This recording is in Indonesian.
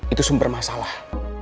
itu sumber masalah